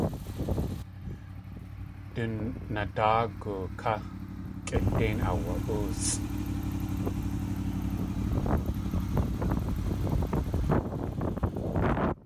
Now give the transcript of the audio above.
Du nadáagu ká kʼidéin aawa.óosʼ.